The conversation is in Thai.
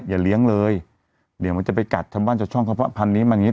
อย่าเลี้ยงเลยเดี๋ยวมันจะไปกัดทำว่าจะช่องของพันธุ์นี้มาอย่างงี้